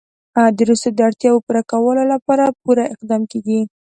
د رسوب د اړتیاوو پوره کولو لپاره پوره اقدامات کېږي.